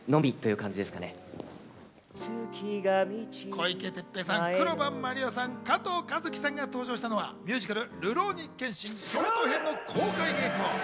小池徹平さん、黒羽麻璃央さん、加藤和樹さんが登場したのはミュージカル『るろうに剣心京都編』の公開稽古。